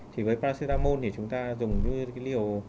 thì với paracetamol thì chúng ta dùng như cái liều